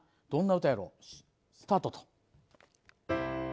どんな歌やろう？スタートと。